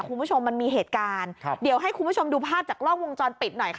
คุณผู้ชมมันมีเหตุการณ์ครับเดี๋ยวให้คุณผู้ชมดูภาพจากกล้องวงจรปิดหน่อยค่ะ